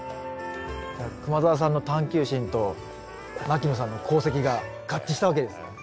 じゃあ熊澤さんの探究心と牧野さんの功績が合致したわけですね。